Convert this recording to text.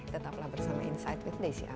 tetaplah bersama insight with desi anwar